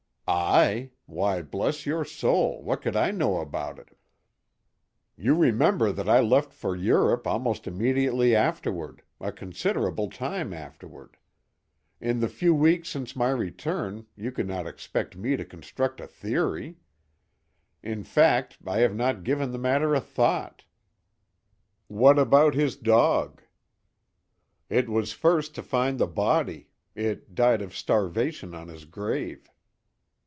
"I? Why, bless your soul, what could I know about it? You remember that I left for Europe almost immediately afterward—a considerable time afterward. In the few weeks since my return you could not expect me to construct a 'theory.' In fact, I have not given the matter a thought. What about his dog?" "It was first to find the body. It died of starvation on his grave."